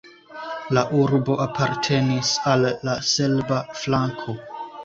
La urbo apartenis al la serba flanko.